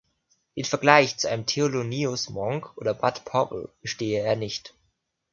Den Vergleich zu einem Thelonious Monk oder Bud Powell bestehe er nicht.